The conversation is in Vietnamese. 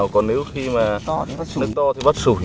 còn nếu khi mà nước to thì bắt sủi